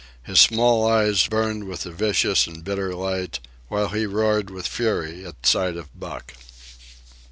His small eyes burned with a vicious and bitter light, while he roared with fury at sight of Buck.